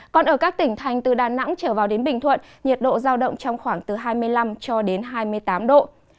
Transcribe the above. còn ở các tỉnh thành từ đà nẵng trở vào đến bình thuận nhiệt độ giao động trong khoảng từ hai mươi năm cho đến hai mươi tám độ